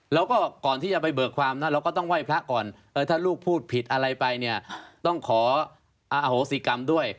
แล้วก็ก่อนที่จะไปเบิกความนะเราก็ต้องไหว้พระก่อนถ้าลูกพูดผิดอะไรไปเนี่ยต้องขออโหสิกรรมด้วย